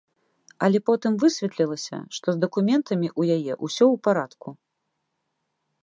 Але потым высветлілася, што з дакументамі ў яе ўсё ў парадку.